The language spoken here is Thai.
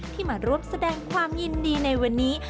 ที่มาร่วมแสดงความยินดีในวันนี้